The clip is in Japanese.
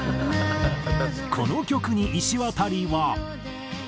この曲にいしわたりは。